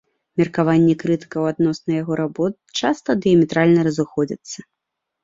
Меркаванні крытыкаў адносна яго работ часта дыяметральна разыходзяцца.